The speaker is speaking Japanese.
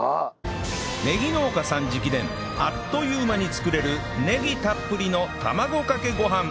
ねぎ農家さん直伝あっという間に作れるねぎたっぷりの卵かけご飯